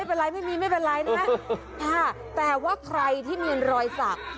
โอเคคะไม่เป็นไรอะไรนะแต่ว่าใครที่มีรอยศักดิ์